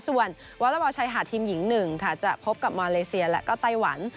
ส่วนวาระบาลชายหาดทีมหญิง๑จะพบกับมาเลเซียและก็ไตวัน